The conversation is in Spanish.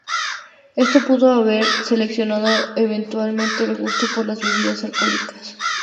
Esto pudo haber seleccionado evolutivamente el gusto por las bebidas alcohólicas.